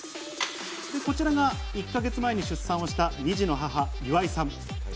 こちらが１か月前に出産をした２児の母・岩井さん。